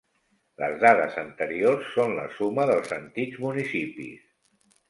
Les dades anteriors són la suma dels antics municipis.